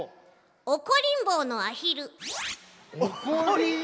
おこりんぼうのアヒル。